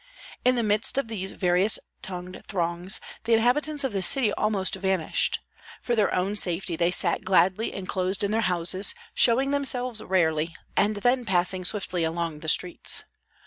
In the midst of these various tongued throngs the inhabitants of the city almost vanished; for their own safety they sat gladly enclosed in their houses, showing themselves rarely, and then passing swiftly along the streets.